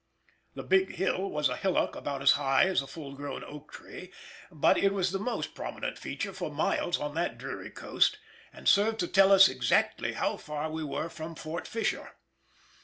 The "Big Hill" was a hillock about as high as a full grown oak tree, but it was the most prominent feature for miles on that dreary coast, and served to tell us exactly how far we were from Fort Fisher.